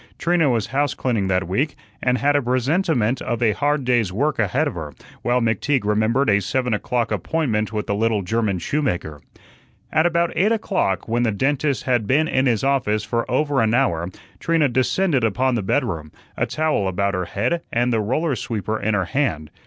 Trina was house cleaning that week and had a presentiment of a hard day's work ahead of her, while McTeague remembered a seven o'clock appointment with a little German shoemaker. At about eight o'clock, when the dentist had been in his office for over an hour, Trina descended upon the bedroom, a towel about her head and the roller sweeper in her hand.